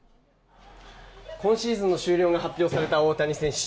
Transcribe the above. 今シーズンの終了が発表された大谷選手。